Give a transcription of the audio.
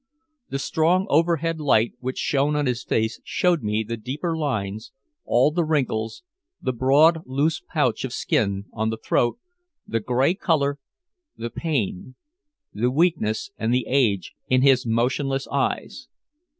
The strong overhead light which shone on his face showed me the deeper lines, all the wrinkles, the broad loose pouch of skin on the throat, the gray color, the pain, the weakness and the age in his motionless eyes.